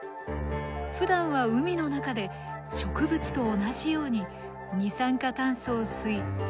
ふだんは海の中で植物と同じように二酸化炭素を吸い酸素を出しています。